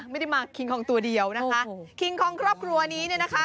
ไม่ได้มาคิงคองตัวเดียวนะคะคิงคองครอบครัวนี้เนี่ยนะคะ